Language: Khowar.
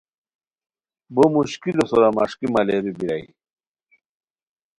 بو مشکلو سورا مݰکی مہ لئیرو بیرائے